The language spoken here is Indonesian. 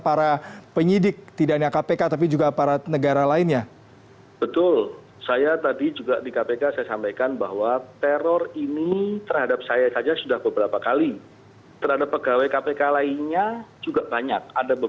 penyidik polri blikjan polisi muhammad iqbal mengatakan